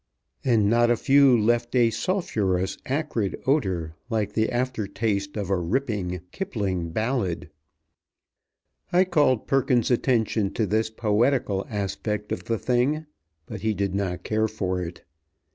And not a few left a sulphurous, acrid odor, like the after taste of a ripping Kipling ballad. I called Perkins's attention to this poetical aspect of the thing, but he did not care for it.